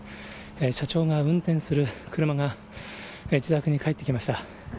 社長が運転する車が、自宅に帰ってきました。